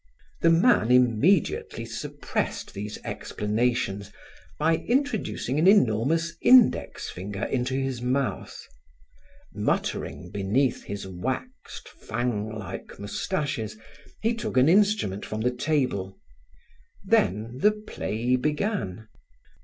The man immediately suppressed these explanations by introducing an enormous index finger into his mouth. Muttering beneath his waxed fang like moustaches, he took an instrument from the table. Then the play began.